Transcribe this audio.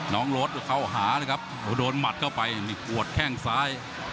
น้องรถเข้าหานะครับโดนหมัดเข้าไปนี่ปวดแข้งซ้าย